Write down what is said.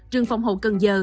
trường phòng hộ cần giờ